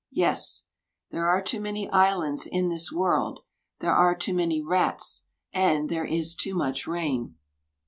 . Yes, There are too many islands in this world. There are too many rats, and there is too much rain.